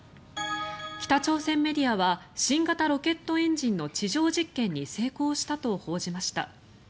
北朝鮮メディアは新型ロケットエンジンの地上実験に成功したと報じました。